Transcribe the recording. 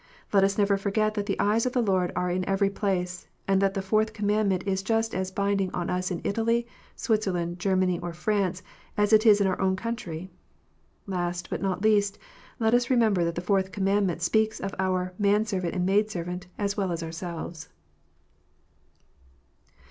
Let us never forget that the eyes of the Lord are in every place, and that the Fourth Commandment is just as binding on us in Italy, Switzerland, Germany, or France, as it is in our own country. Last, but not least, let us remember that the Fourth Commandment speaks of our " man servant and maid servant," as well as ourselves.